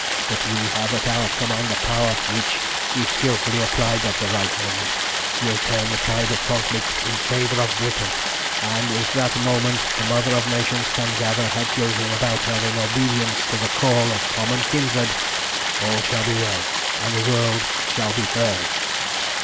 But we have at our command a power which, if skilfully applied at the right moment, will turn the tide of conflict in favour of Britain, and if at that moment the Mother of Nations can gather her children about her in obedience to the call of common kindred, all shall be well, and the world shall be hers.